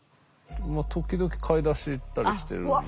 時々買い出し行ったりしてるんで。